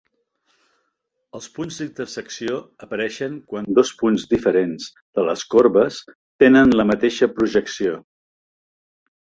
Els punts d'intersecció apareixen quan dos punts diferents de les corbes tenen la mateixa projecció.